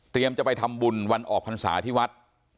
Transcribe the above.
จะไปทำบุญวันออกพรรษาที่วัด